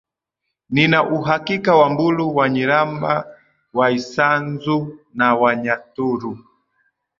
nina uhakika Wambulu Wanyilamba Waisanzu na Wanyaturu